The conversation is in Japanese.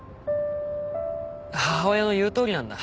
母親の言うとおりなんだ。